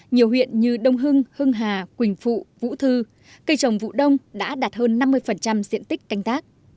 nhiều huyện như đông hưng hà quỳnh phụ vũ thư cây trồng vụ đông đã đạt hơn năm mươi diện tích canh tác